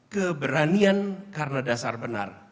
keberanian karena dasar benar